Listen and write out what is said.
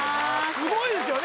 すごいですよね